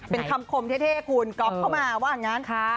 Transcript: เป็นคำคมเท่คูณก๊อปเข้ามาว่าอย่างนั้นค่ะ